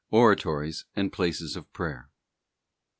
Oratories and places of prayer.